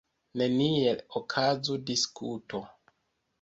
Neniel okazu diskuto.